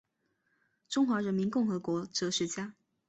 中华人民共和国哲学家。